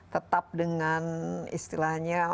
tetap dengan istilahnya